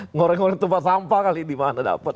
ngorek ngorek tempat sampah kali di mana dapat